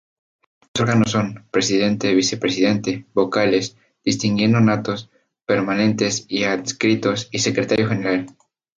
Sus órganos son: Presidente, Vicepresidente, Vocales, distinguiendo natos, permanentes y adscritos, y Secretario General.